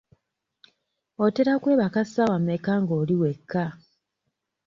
Otera kwebaka ssaawa mmeka nga oli ewaka?